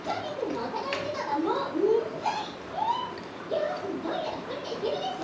ギャオくんトイレはひとりでいけるでしょ？